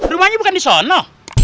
rumahnya bukan di sana